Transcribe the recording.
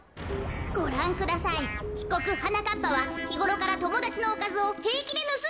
ごらんくださいひこくはなかっぱはひごろからともだちのおかずをへいきでぬすんでいるのです。